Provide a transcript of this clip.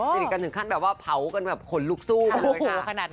สนิทกันถึงขั้นแบบว่าเผากันแบบขนลุกสู้ไปเลยค่ะ